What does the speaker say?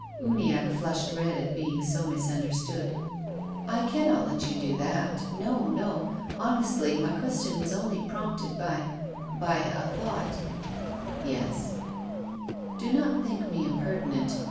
Uniacke flushed red at being so misunderstood. " I cannot let you do that. No, no ! Honestly, my question was only prompted by — by — a thought —"" Yes ?"" Do not think me impertinent.